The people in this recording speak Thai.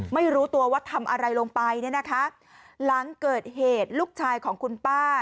ไม่รู้ตัวว่าทำอะไรลงไปเนี่ยนะคะหลังเกิดเหตุลูกชายของคุณป้า